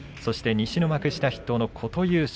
西の幕下筆頭の琴裕将